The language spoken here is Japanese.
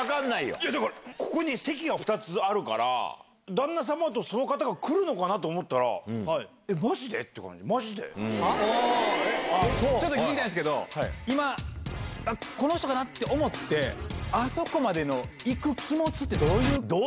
いや、ここに席が２つあるから、旦那様とその方が来るのかなと思ったら、ちょっと聞きたいんですけれども、今、この人かな？って思って、あそこまでの行く気持ちってどういう？